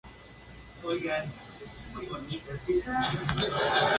En el curso superior se hallan varios dólmenes de la Edad del Bronce.